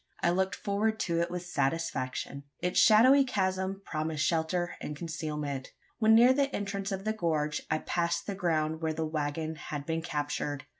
I looked forward to it with satisfaction. Its shadowy chasm promised shelter and concealment. When near the entrance of the gorge, I passed the ground where the waggon had been captured.